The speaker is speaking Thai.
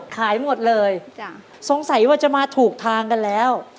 ขายหมดเลยสงสัยว่าจะมาถูกทางกันแล้ว